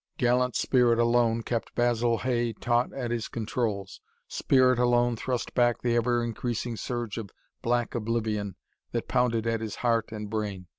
Gallant spirit alone kept Basil Hay taut at his controls. Spirit alone thrust back the ever increasing surge of black oblivion that pounded at his heart and brain.